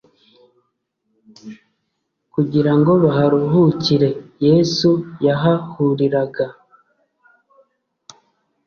kugira ngo baharuhukire. Yesu yahahuriraga